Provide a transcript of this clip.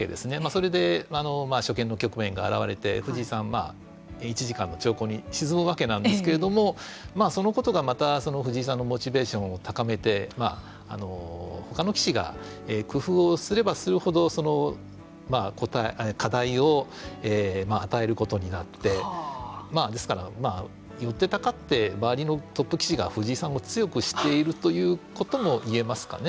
それで初見の局面が現れて藤井さんは１時間の長考に沈むわけなんですけれどもそのことがまた藤井さんのモチベーションを高めて他の棋士が工夫をすればするほどその課題を与えることになってですから、寄ってたかって周りのトップ棋士が藤井さんを強くしているということも言えますかね。